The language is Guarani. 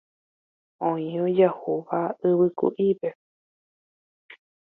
oĩ ojahúva yvyku'ípe